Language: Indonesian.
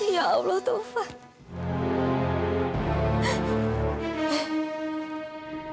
ya allah taufan